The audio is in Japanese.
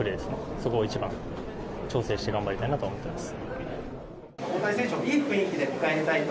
そこを一番調整して頑張りたいなと思っています。